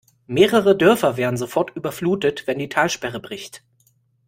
Mehrere Dörfer wären sofort überflutet, wenn die Talsperre bricht.